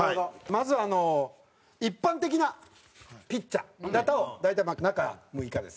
まずあの一般的なピッチャーだと大体中６日ですね。